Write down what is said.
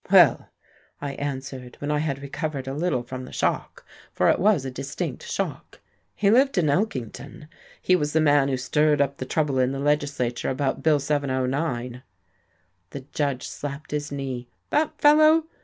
"Well," I answered, when I had recovered a little from the shock for it was a distinct shock "he lived in Elkington. He was the man who stirred up the trouble in the legislature about Bill 709." The Judge slapped his knee. "That fellow!"